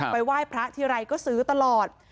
ไหว้พระทีไรก็ซื้อตลอด